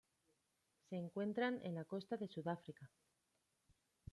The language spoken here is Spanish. Se encuentran en la costa de Sudáfrica.